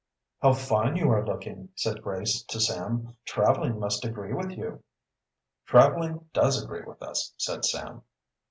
"How fine you are looking," said Grace to Sam. "Traveling must agree with you." "Traveling does agree with us," said Sam.